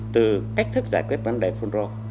từ cách thức giải quyết vấn đề phun rô